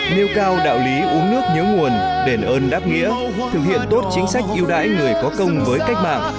nêu cao đạo lý uống nước nhớ nguồn đền ơn đáp nghĩa thực hiện tốt chính sách yêu đãi người có công với cách mạng